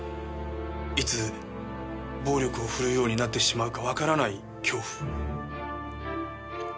いつ暴力を振るうようになってしまうかわからない恐怖。